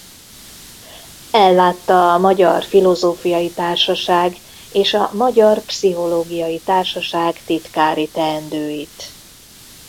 Ellátta a Magyar Filozófiai Társaság és a Magyar Pszichológiai Társaság titkári teendőit.